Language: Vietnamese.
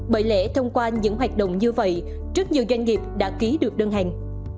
bởi lẽ thông qua những hoạt động như vậy rất nhiều doanh nghiệp đã ký được đơn hàng